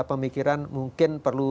pemikiran mungkin perlu